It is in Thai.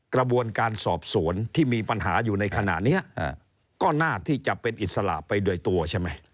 กระบวนการสอบสวนที่มีปัญหาอยู่ในขณะนี้ก็น่าที่จะเป็นอิสระไปโดยตัวใช่ไหม